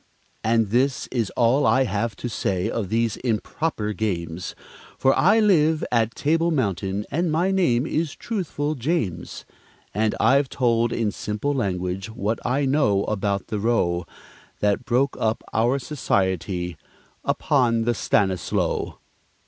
And this is all I have to say of these improper games, For I live at Table Mountain, and my name is Truthful James; And I've told, in simple language, what I know about the row That broke up our society upon the Stanislow.